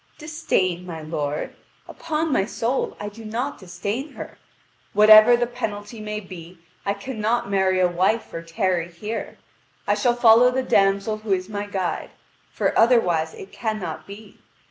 "Disdain, my lord? Upon my soul, I do not disdain her. Whatever the penalty may be, I cannot marry a wife or tarry here. I shall follow the damsel who is my guide: for otherwise it cannot be.